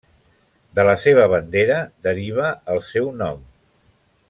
De la seva bandera deriva el seu nom.